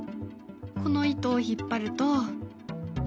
この糸を引っ張ると。